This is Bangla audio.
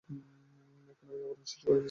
এখন, আমি আবরণ সৃষ্টি করে দিচ্ছি।